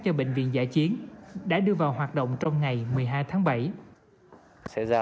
cho bệnh viện giã chiến đã đưa vào hoạt động trong ngày một mươi hai tháng bảy